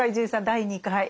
第２回。